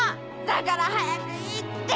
だから早く行って！